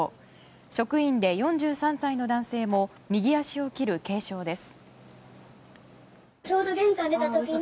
職員で４３歳の男性も右足を切る軽傷です。